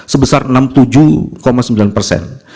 sebesar enam puluh tujuh sembilan persen